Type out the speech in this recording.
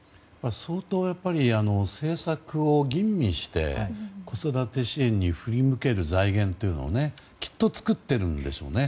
相当、政策を吟味して子育て支援に振り向ける財源をきっと作っているんですよね。